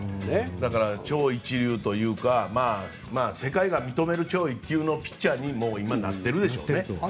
だから、超一流というか世界が認める超一級のピッチャーに今なってるでしょうね。